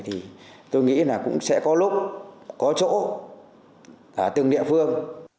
thì tôi nghĩ là cũng sẽ có lúc có chỗ cả từng địa phương